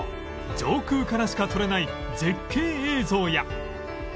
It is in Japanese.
上空からしか撮れない絶景映像や